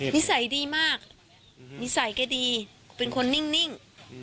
นิสัยดีมากนิสัยแกดีเป็นคนนิ่ง